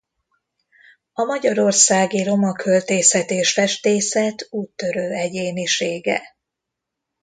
A magyarországi roma költészet és festészet úttörő egyénisége.